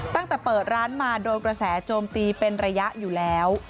ตั้งแต่เปิดร้านมาโดนกระแสโจมตีเป็นระยะอยู่แล้ว